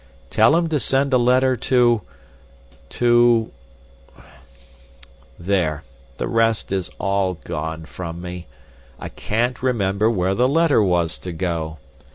Tell him to send a letter to to' there, the rest is all gone from me. I CAN'T remember where the letter was to go.